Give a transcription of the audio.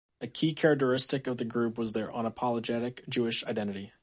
A key characteristic of the group was their unapologetic Jewish identity.